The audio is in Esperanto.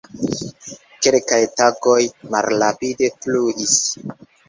Kelkaj tagoj malrapide fluis.